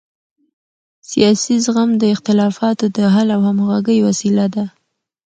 سیاسي زغم د اختلافاتو د حل او همغږۍ وسیله ده